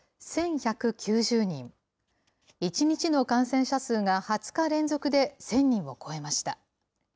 １日の感染者数が２０日連続で１０００人を超えました。